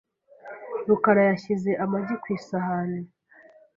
rukara yashyize amagi ku isahani .